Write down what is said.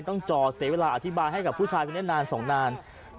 ต้องจอดเสียเวลาอธิบายให้กับผู้ชายนี้นาน